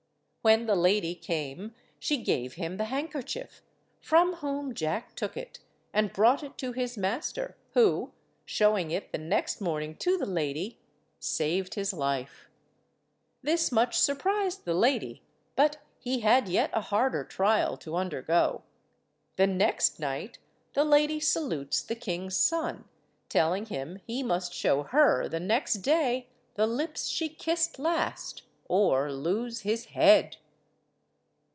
When the lady came she gave him the handkerchief, from whom Jack took it, and brought it to his master, who, showing it the next morning to the lady, saved his life. This much surprised the lady, but he had yet a harder trial to undergo. The next night the lady salutes the king's son, telling him he must show her the next day the lips she kissed last or lose his head.